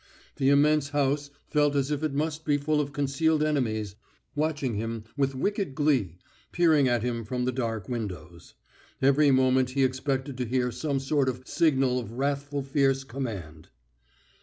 The immense house felt as if it must be full of concealed enemies watching him with wicked glee, peering at him from the dark windows. Every moment he expected to hear some sort of signal or wrathful fierce command.